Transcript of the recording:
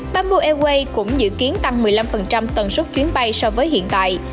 bamboo airways cũng dự kiến tăng một mươi năm tần suất chuyến bay so với hiện tại